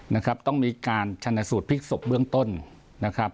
นะครับต้องมีการชนสูตรพลิกศพเบื้องต้นนะครับ